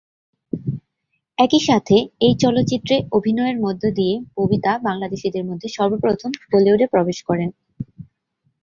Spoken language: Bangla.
একইসাথে এই চলচ্চিত্রে অভিনয়ের মধ্য দিয়ে ববিতা বাংলাদেশীদের মধ্যে সর্বপ্রথম বলিউডে প্রবেশ করেন।